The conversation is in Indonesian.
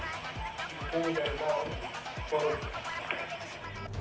hukum dari bawah